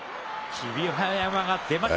霧馬山が出ました。